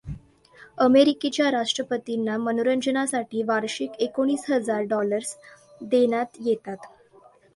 अमेरिकेच्या राष्ट्रपतींना मनोरंजनासाठी वार्षिक एकोणीस हजार डॉलर्स देण्यात येतात.